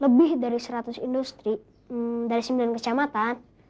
lebih dari seratus industri dari sembilan kecamatan